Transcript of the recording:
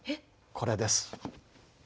これです。